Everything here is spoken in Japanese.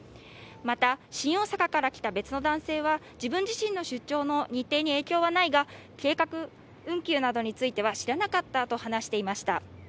また、新大阪から来た別の男性は自分自身の出張の日程に影響はないが計画運休などについては知らなかったと話していました。